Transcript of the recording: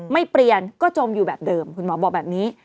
ไม่เปลี่ยนก็จมอยู่แบบเดิมคุณหมอบอกแบบนี้